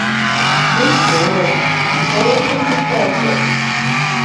Мӹнь тольым... Тылым хоть чӱктӓлтӹ!